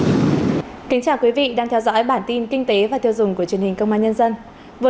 xin kính chào quý vị đang theo dõi bản tin kinh tế và tiêu dùng của truyền hình công an nhân dân